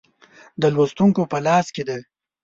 د لوستونکو په لاس کې ده.